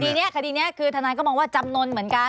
หมายถึงว่าคดีนี้คือทนายก็มองว่าจำนนท์เหมือนกัน